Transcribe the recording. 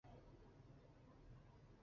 殿试登进士第三甲第一百六十名。